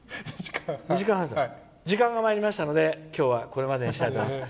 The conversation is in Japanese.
時間がまいりましたので今日はこれまでにしたいと思います。